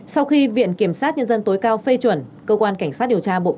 sau khi viện kiểm sát nhân dân tối cao phê chuẩn cơ quan cảnh sát điều tra bộ công an đã thi hành